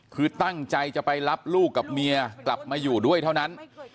คือตั้งใจจะไปรับลูกกับเมียกลับมาอยู่ด้วยเท่านั้น